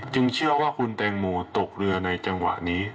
เชื่อว่าคุณแตงโมตกเรือในจังหวะนี้